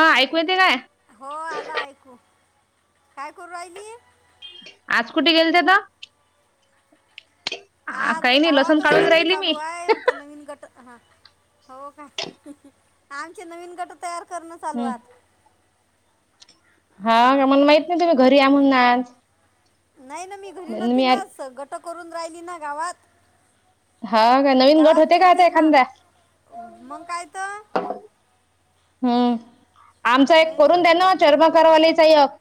हा, ऐकू येतेय काय? हो, आल ऐकू. काय करू राहिली? आज कुठे गेलते त? आज गावातच सर्वे चालू आहे. त नवीन गट, हा. हो का? आमचे नवीन गट तयार करणं चालू हम्म आहे आत हा अं, म्या मन माहित नाही तुम्ही घरी या हं. म्हणन आज? म म्या ष्ट करून राहिली ना गावात. हा. का नवीन गट गावात होते का आता गेलती हां, एखादा मग कायतं. हम्म आमचा एक नवीन करून द्या गटाचा ना, चर्म करवालीचा यक.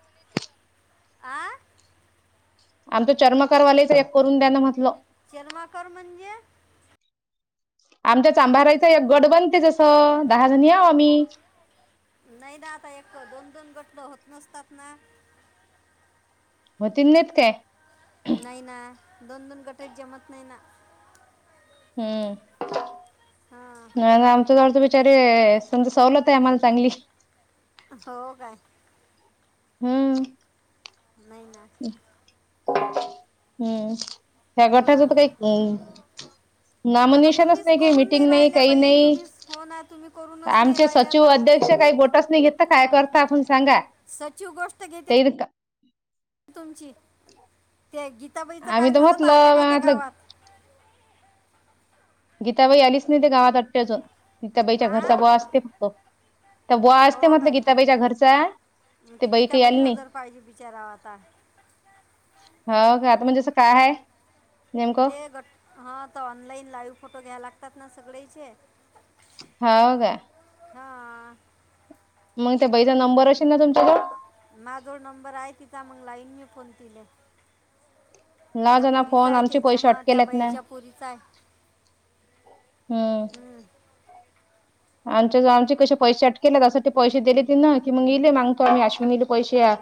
आ. आमचं चर्मकारवालेच एक करून द्या न म्हटलं. जन्माकार म्हणजे, आमच्या चांभाराईचा एक गड बनते जसं, दहा जणी हाव आम्ही. नै ना आता एक, दोन दोन गट होत नसतात ना. व्हती नाहीत काय? नाही ना, दोन दोन गटत जमत नाही ना. हम्म. हां आमच्या जवळच बिचारे, तुमचं सवलत ये आम्हाला चांगली. हो काय. हम्म. नाही ना. हम्म ह्या हा गटाचं तरी काय. आता नामोनिशाणच तुम्हीच नाही की, करून मिटिंग नाही राहिल्या काही बाई नाही. तुम्हीच हो ना तुम्ही करूनच नाही आमचे राहिल्या सचिव तर अध्यक्ष काही बोटच नाही घेतं, काय करता आपण सांगा. सचिव गोष्ट घेते. ते तुमची ते गीताबाईच आम्ही काय झालं तर, आल्या म्हटलं काय त्या म्हटलं गावात. गीताबाई आलीच नाही ते गावात वाटते अजून, गीताबाईच्या आ घरचा बुवा असते फक्तं. तर बुवा असते हो म्हटलं, काय गीताबाईच्या घरचा. मग ते ती बाई काही गीताबाई आली नाही हजर पाहिजे, बिचारावा आता. हाव का, आता म्हणजे असं काय आहे? नेमकं ते गट, हा तर ऑनलाईन लाईव्ह फोटो घ्यावं लागतात ना सगळेचे. हांव काय. हां. मग त्या बाईचा नंबर असेल ना तुमच्याजवळ. माझं जवळ नंबर आय तिचा, मंग लाविन मी फोन तिले. त्या लावजा ना पुरीच फोन आहे आमचे त्यांच्या पैसे हां, त्या अटकेलेत ना बयेच्या पुरीचा आय. हम्म. आमच्या ज आमचे कसे पैसे अटकले तस ते पैसे दिले तिनं, की मग इईले मागतो आश्विनी ल पैशेय.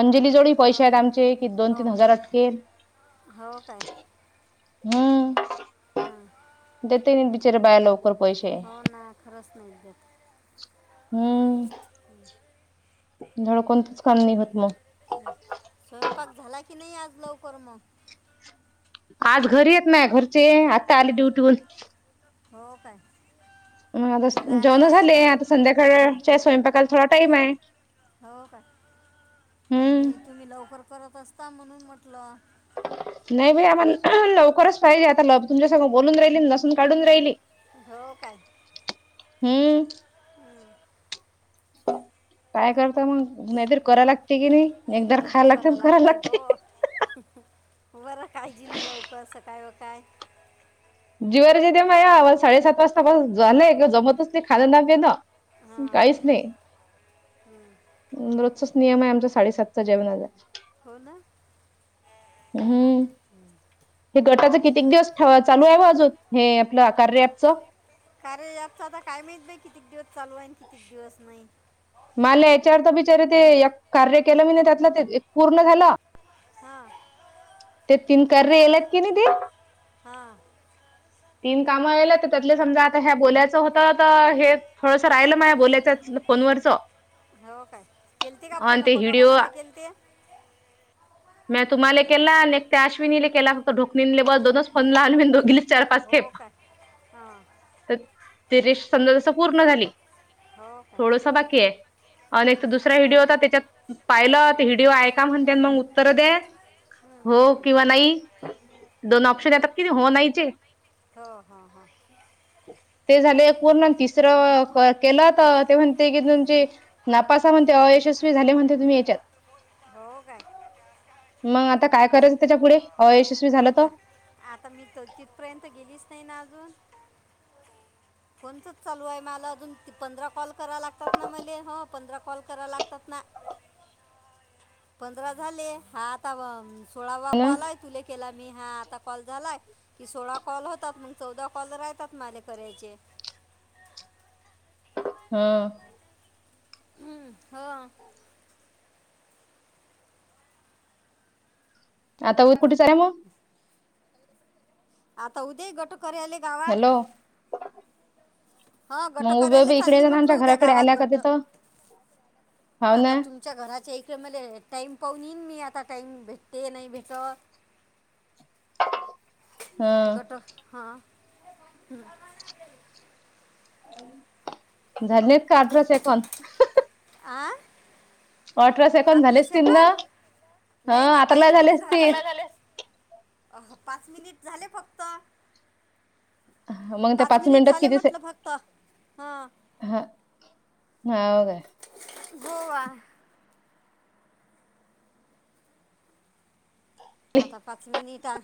अंजली जवड हो पैसे आहेत काय आमचे, कि दोन हो तीन हजार अटकेल. हो काय हम्म. हां. देते नी बिचारे बाया लवकर पैशे. हो ना खरंच नाही देत हम्म,, धड कोणतंच काम नाही होतं मग. स्वयंपाक झाला की, नाही आज लवकर मग. आज घरी येत नाही घरचे, आत्ता आले ड्युटी वून. हो काय. मग आता जेवणं झाले, आता संध्याकाळच्या स्वयंपाकाला थोडा टाइम ये. हो का, नाही तुम्ही लवकर करत असता म्हणून म्हटलं. नाही बाई आम्हा लवकरच पाहिजे, आता ल तुमच्या संग बोलून राहिली लसून काढून रायली. हो काय. हम्म. हम्म. काय करता मग नायतर कराय हो लागते की नाय एकदर कधी खायला लागते करा आणी कराय हो लागते. बरं काळजी न लवकर असं काय व काय. जीवावरच येते माया मला साडेसात वाजता झालंयि जमतच नाय खायला लागते ना. हां काहीच नाय हं. च नियम आय आमचा साडेसातच जेवणाचा. हो ना. हम्म, हे गटाच कितीक दिवस ठेवायच? चालू आय आजून हे आपलं कार्या ॲपचं? कार्या ॲपच आता काय माहित बाई कितीक दिवस चालू आय आणी कितीक दिवस नाय. मला याच्या आरत बिचार ते एक कार्य केलं मीन त्यातलं ते पूर्ण झालं. हां. ते तीन कार्य येलेत की नाई ती. हां. तीन कामं आयलेत त्यातले समजा आता ह्या बोल्याचं होत तर हे थोडसर राहिलं माया बोल्याच फोनवरचं. हो काय. केलते का अन् फोन ते हिडिओ कोणाकोणाला [inaudible] म्या तुम्हाला एक केला आणि त्या अशविनीले केला फक्त, ढोकणींले बस दोनच फोन आण दोघीच चार पाच हो खेप. काय हां तर ते रेश समजा तस पूर्ण झाली हो काय थोडस बाकी आय. अन् एक हं. तो दुसरा व्हिडीओ होता त्याच्यात पाहिलं, ते व्हिडिओ ऐका म्हणते मन उत्तर दे. हं, हो हं, हं, किंवा नाय दोन हं. ऑप्शन येतात कि नाय हो नाहीचे. हो [unintelligible] ते झाले एक पूर्ण तिसरं केलं तर ते म्हणते की तुमचे नापास आय म्हणते, अयशस्वी झाले म्हणते तुम्ही याच्यात. हो काय. म- आता काय करायचं त्याच्या पुुढे अयशस्वी झालं त? आता आता मी तर तिथपर्यंत तर गेलीच नाय ना अजून. फोनचच चालू आय मला अजून पंधरा कॉल करायला लागतात मले हो पंधरा कॉल करायला लागतात ना. पंधरा झाले हा आता व सोळावा कॉल आय तुले केला मी हा आता कॉल झालाय की सोळा कॉल होतात मग चौदा कॉल राहतात माले करायचे. ह हा. आता उद कुठ चालल्या म? आता उदे गट करी आले हॅलो. हा घट मग उभे करायला उभे इकडे चालली येत ना म्हटल आमच्या उद्या घराकडे गावात आल्या का घट. तिथ हाव आता ना तुम तुमच्या घराच्या इकड मले टाईम पाहून येईन मी आता टाईम भेटते नाय भेटत. ह गट हा. झालीत का अठरा सेकंद? आ? अठरा सेकंद आपले झालेच ती शेखन ना? ह नाही ना आता लय पाहिले किती झाले असतील अकरा झाले, पाच मिनिट झाले फक्त. मग त्या पाच मिनिट मिनिटात झाले म्हटलं फक्त. हा हां [unintelligible] गोवा आता पाच मिनिटा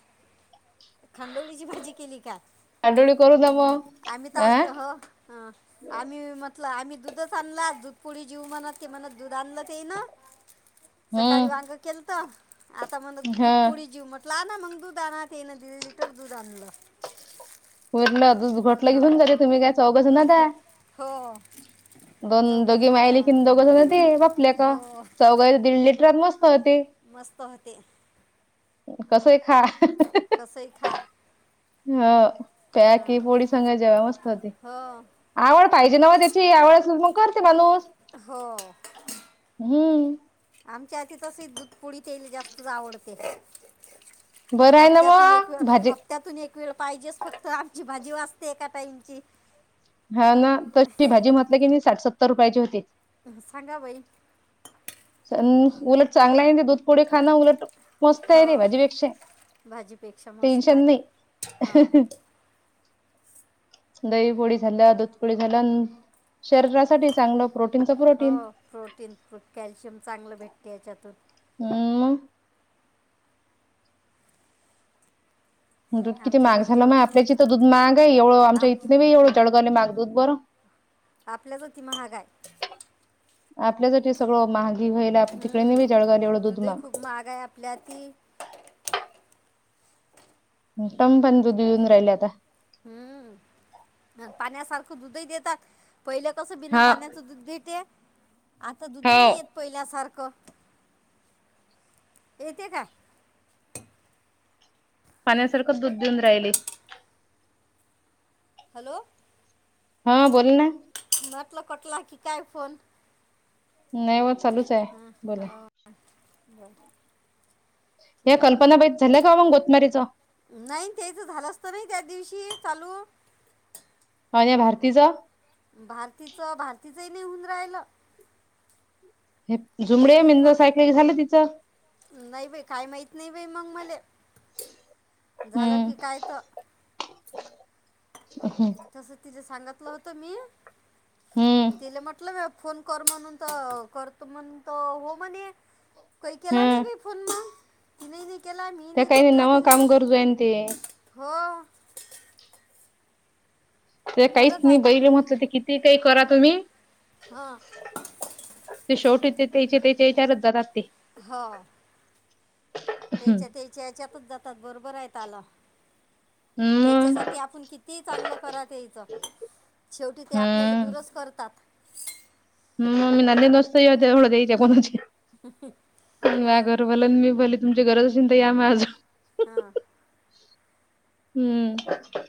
खांडोळीची भाजी केली काय? आठवडी करू ना मग आम्ही अ ताज हं. हां आम्ही म्हटलं आम्ही दुधच आणला, दुधपोळी जीव म्हणत की म्हणत दूध आणलं तेनं सकाळी हम्म वांग केलंत, आता म्हणत ह दुध जेऊ म्हटलं आना मग दूध आना तेन दीड लिटर दूध आणलं. वरण दूध घोटल की हा होऊन जात, तुम्ही काय चव बघून राहता. हो दोन चौघ दोघी जणच आहो मायलेली आणि दोघ आम्ही जण ते बापलेक, हो चौघात दीड लिटरात मस्त होते. मस्त होते कसंही खा कसंही खा हा हां त्याकी पोळी संग जेवावच पडते. हो आवड पाहिजे नव त्याची, आवड असल तर मग करते माणूस हो हम्म आमच्या आती तसे दुधपोळी तेले जास्तच आवडते. बरं आहे ना हप्त्यातून एक वेळ मग भाजी हाफ त्यातून एक वेळ पाहिजेच फक्त आमची भाजी वाचते एका टाइमची. हा ना तशी ती भाजी म्हटलं किणी, साठ सत्तर रुपयाची होती. सांगा बाई उलट चांगला हाय न दुधपोळी खाणं उलट मस्त आहे हो नई भाजीपेक्षा, भाजीपेक्षा मस्त टेन्शन आहे नाही. हो दहीपोळी खाल, दूधपोळी घालून शरीरासाठी चांगलं प्रोटीनचं पुरो हो प्रोटीन, कॅल्शियम चांगलं भेटते याच्यातून हम्म मंग दूध किती आमच्या महाग घरी झालं माय जेवतात आपल्याच्या इथ दूध महाग हाय एवढं, आमच्या आप इथ नई बाई एवढं जळगाने महाग दूध बरं आपल्यासाठी महाग हाय आपल्यासाठी सगळं महाग व्हायलय तिकडे नई बाई जळगाला हम्म. एवढं दुध दूधही महाग खूप महाग हाय आपल्याती तम पण दुध येऊन राहिले आता हम्म पाण्यासारखं दुधही देतात. पहिलं कसं बिना हा पाण्याचं दूध देते, आता दूधही नाही हो येत पहिल्यासारखं येते काय? पाण्यासारखं दूध देऊन राहिले. हॅलो हा बोल नाय म्हटलं कटला की काय फोन नाही वो चालूचं हम् हाव बर या कल्पनाबाईत झाल्याय का मंग गोतमारीचं? नाही तेच झालं असत नाही त्या दिवशी चालू माझ्या भारतीचा भारतीचं भारतीचं ही निऊन राहिलं. हे तिला जुमडे मी मिंज फोन सायक झालं तिचं. नाही बाई काय माहीत नाही बाई मग मले झालं हम्म की काय तर. [inaudible] [unintelligible] तस तिझ सांगितलं होतं मी हम्म तिला म्हटलं फोन कर म्हणून तर करतो म्हणून त हो म्हणे. काही केला हा नाही बाई फोन मग. तिने नाही केला मी त्या नाही काही केला नवं तिने काम गरजू आहे ते हो. ते काहीच खरंच नाही आहेत बैर म्हटलं ते किती काही करा तुम्ही. हां. ते शेवटी ते त्या त्याच्याच्या हेच्यातचं जाणारंच ते. हां. तेच्या-तेच्या याच्यातच जातात बरोबर आहे ताला. [inaudible] हम्म त्याच्यासाठी आपण किती चांगलं करा त्याचं. शेवटी ते आपल्याला हम्म दूरच करतात. हम् मग [unintelligible] गोष्ट देऊळ-देवीचा [unintelligible] हां मला मी भले तुमची गरज असेन तर या मा [unintelligible] हा. हम्म.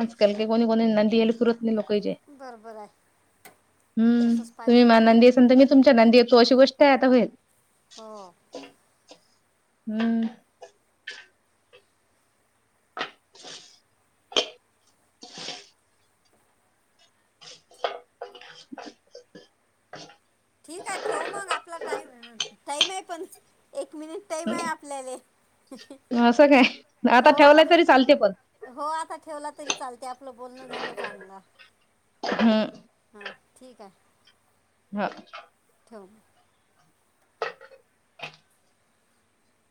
आज काल कोणी-कोणाचं न दील पुरंत लोकचे. बरोबर आहे हम्म तसंच तुम्ही पाहिजे हो बाई मान देत नसलं तुम्ही तुमच्या नंदी येतो अशी गोष्ट आहे आता होईल. हो. [inaudible] हम्म. [unintelligible] [inaudible] [unintelligible] ठीक आहे ठेवू मग आपला टाईम टाईम आहे पण एक मिनिट टाईम आहं आपल्यालं. हा असं काय? आता हो, ठेवलंय तरी चालते पण हो आता ठेवला तरी चालतंय आपलं बोलणं झालं चांगलं. हम्. हां ठीक आहे. हा. ठेव म.